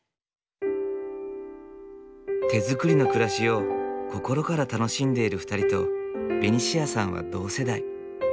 手づくりの暮らしを心から楽しんでいる２人とベニシアさんは同世代。